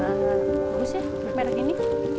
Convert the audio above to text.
bagus ya merek ini